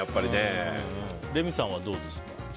レミさんは、どうですか？